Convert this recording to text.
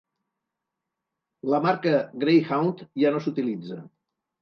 La marca Greyhound ja no s"utilitza.